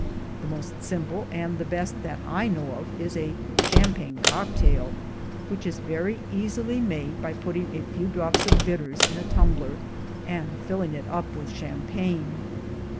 The most simple and the best that I know of is a champagne cocktail, which is very easily made by putting a few drops of bitters in a tumbler and filling it up with champagne.